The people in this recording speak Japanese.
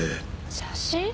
写真？